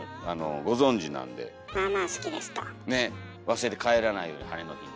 忘れて帰らないように晴れの日に。